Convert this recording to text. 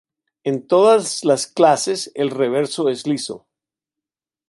En todas las clases el reverso es liso.